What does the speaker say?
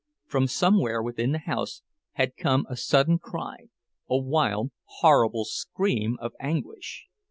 From somewhere within the house had come a sudden cry, a wild, horrible scream of anguish.